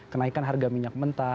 kenaikan harga minyak mentah